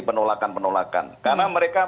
penolakan penolakan karena mereka